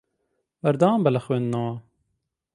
بەردەوام بە لە خوێندنەوە.